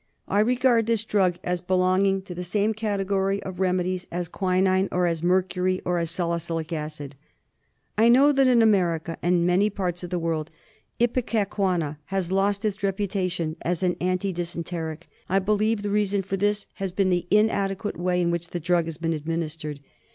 I regard this drug as belonging to the same category of remedies as quinine, or as mercury, or as salicylic acid. I know that in America and many other parts of the world Ipecacuanha has lost its reputation as an anti dysenteric. I believe the reason for this has been the inadequate way DYSENTERY. 2O3 in which the drug has been administered.